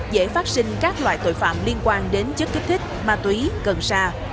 dễ phát sinh các loại tội phạm liên quan đến chất kích thích ma túy cần sa